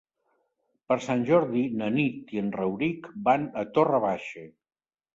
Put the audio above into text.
Per Sant Jordi na Nit i en Rauric van a Torre Baixa.